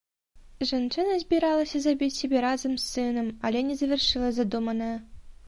Жанчына збіралася забіць сябе разам з сынам, але не завяршыла задуманае.